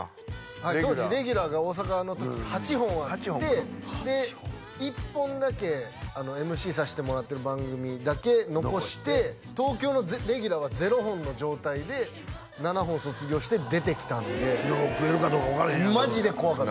はい当時レギュラーが大阪の時８本あってで１本だけＭＣさせてもらってる番組だけ残して東京のレギュラーは０本の状態で７本卒業して出てきたんで食えるかどうか分からへんやんマジで怖かったです